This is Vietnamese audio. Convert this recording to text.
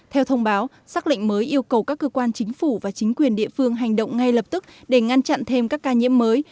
theo thông báo xác lệnh mới yêu cầu các cơ quan chính phủ và chính quyền địa phương hành động ngay lập tức để ngăn chặn thêm các ca nhiễm mới